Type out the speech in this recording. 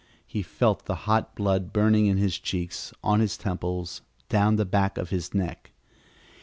He felt the hot blood burning in his cheeks, on his temples, down the back of his neck.